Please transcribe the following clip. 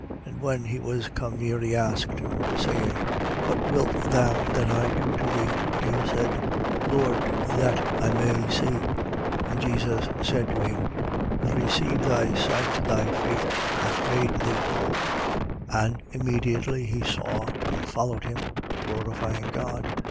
And when he was come near, he asked him, 18:41. Saying; What wilt thou that I do to thee? But he said: Lord, that I may see. 18:42. And Jesus said to him: Receive thy sight: thy faith hath made thee whole. 18:43. And immediately he saw and followed him, glorifying God.